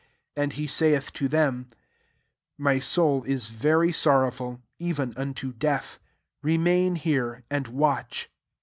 34 And he saith to them, My soul is very sor rowful, even unto death: re main here, and watch.